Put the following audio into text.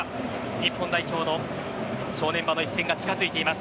日本代表の正念場の一戦が近づいています。